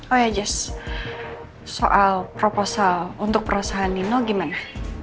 oh iya jess soal proposal untuk perusahaan nino gimana